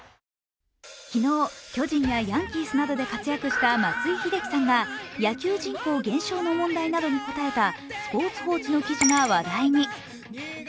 昨日、巨人やヤンキースなどで活躍した松井秀喜さんが野球人口減少の問題などに答えた「スポーツ報知」の記事が話題に。